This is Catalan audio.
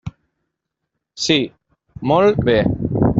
Sí, molt bé.